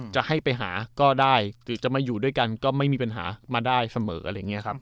จะให้ไปหาก็ได้หรือจะมาอยู่ด้วยกันก็ไม่มีปัญหามาได้เสมออะไรอย่างนี้ครับ